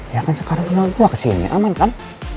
ya kan sekarang tinggal gua kesini aman kan